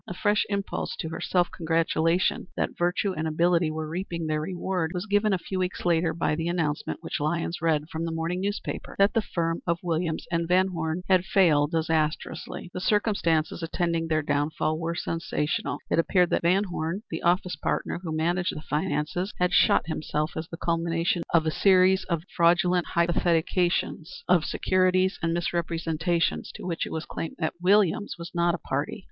A fresh impulse to her self congratulation that virtue and ability were reaping their reward was given a few weeks later by the announcement which Lyons read from the morning newspaper that the firm of Williams & Van Horne had failed disastrously. The circumstances attending their down fall were sensational. It appeared that Van Horne, the office partner, who managed the finances, had shot himself as the culmination of a series of fraudulent hypothecations of securities and misrepresentations to which it was claimed that Williams was not a party.